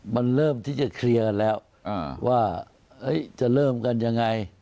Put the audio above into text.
มันเริ่มที่จะเคลียร์กันแล้วว่าจะเริ่มกันยังไง